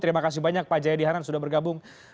terima kasih banyak pak jayadihanan sudah bergabung